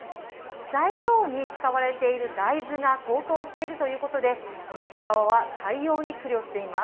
材料に使われている大豆が高騰しているということでお店側は対応に苦慮しています。